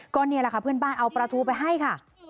ก็นี่แหละค่ะเพื่อนบ้านเอาปลาทูไปให้ค่ะ